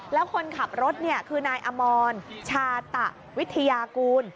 แล้วคนขับรถคือนายอมรชาตะวิทยากูล